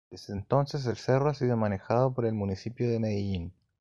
Desde entonces, el cerro ha sido manejado por el Municipio de Medellín.